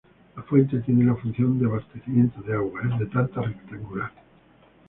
La fuente, tiene la función de abastecimiento de agua, es de planta rectangular.